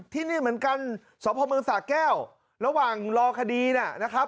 ที่นี่เหมือนกันสมพเมืองสระแก้ว